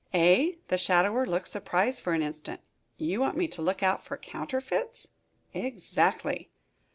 "Eh?" The shadower looked surprised for an instant. "You want me to look out for counterfeits?" "Exactly."